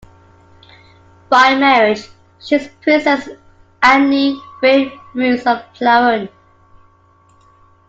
By marriage she is Princess Anni-Frid Reuss of Plauen.